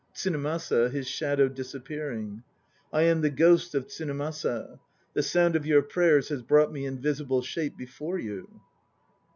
TSUNEMASA (his shadow disappearing). I am the ghost of Tsunemasa. The sound of your prayers has brought me in visible shape before you.